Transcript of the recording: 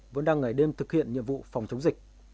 vẫn đang ngày đêm thực hiện nhiệm vụ phòng chống dịch